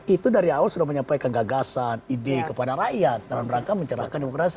itu dari awal sudah menyampaikan gagasan ide kepada rakyat dalam rangka mencerahkan demokrasi